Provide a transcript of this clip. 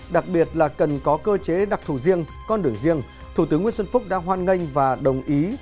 đặc biệt là cần có cơ chế đặc thù riêng con đường riêng thủ tướng nguyễn xuân phúc đã hoan nghênh và đồng ý